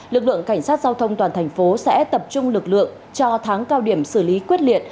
lực lượng cảnh sát giao thông toàn thành phố sẽ tập trung lực lượng cho tháng cao điểm xử lý quyết liệt